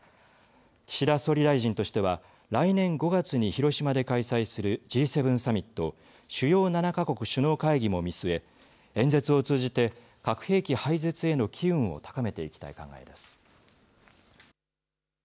岸田総理大臣としては来年５月に広島で開催するＧ７サミット主要７か国首脳会議も見据え演説を通じて核兵器廃絶への機運を高めていきたい考えです。